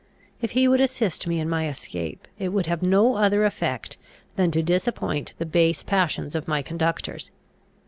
If he would assist me in my escape, it could have no other effect than to disappoint the base passions of my conductors.